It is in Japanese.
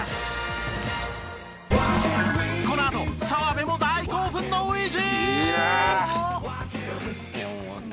このあと澤部も大興奮の初陣！